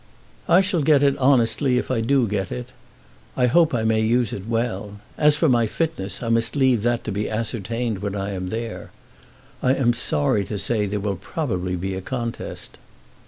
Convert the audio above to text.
"I shall get it honestly if I do get it. I hope I may use it well. And as for my fitness, I must leave that to be ascertained when I am there. I am sorry to say there will probably be a contest."